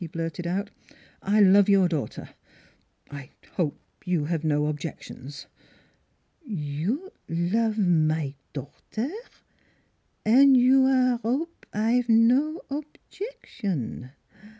blurted out, " I love your daughter. I hope you have no objections." " You lo ove my daughter! ... An' you aire 'ope I've no objection?"